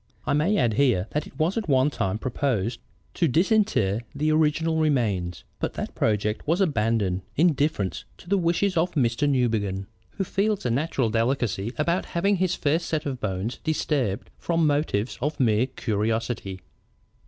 I may add here that it was at one time proposed to disinter the original remains, but that project was abandoned in deference to the wishes of Mr. Newbegin, who feels a natural delicacy about having his first set of bones disturbed from motives of mere curiosity."